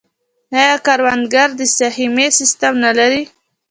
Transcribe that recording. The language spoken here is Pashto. آیا کروندګر د سهمیې سیستم نلري؟